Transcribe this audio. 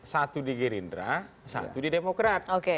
satu di gerindra satu di demokrat